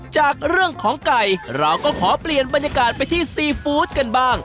จากเรื่องของไก่เราก็ขอเปลี่ยนบรรยากาศไปที่ซีฟู้ดกันบ้าง